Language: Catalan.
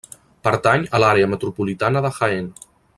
Pertany a l'Àrea Metropolitana de Jaén.